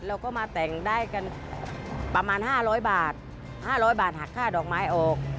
เราก็มาแต่งได้กันประมาณ๕๐๐บาท๕๐๐บาทหักค่าดอกไม้ออก